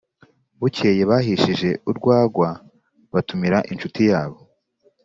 bukeye bahishije urwagwa batumira inshuti yabo